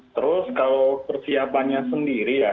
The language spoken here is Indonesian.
terus kalau persiapannya sendiri ya